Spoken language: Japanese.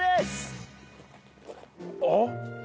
あっ。